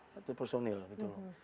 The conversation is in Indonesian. satu personil gitu loh